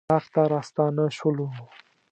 اطاق ته راستانه شولو.